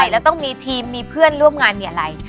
แล้วต้องมีทีมมีเพื่อนร่วมงานมีอะไร